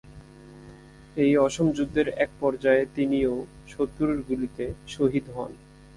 এই অসম যুদ্ধের একপর্যায়ে তিনিও শত্রুর গুলিতে শহীদ হন।